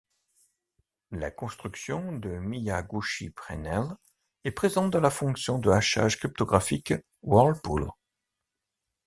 La construction de Miyaguchi-Preneel est présente dans la fonction de hachage cryptographique Whirlpool.